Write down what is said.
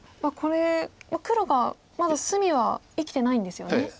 これ黒がまだ隅は生きてないんですよね。